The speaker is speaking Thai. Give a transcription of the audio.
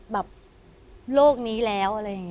แบบโรคนี้แล้ว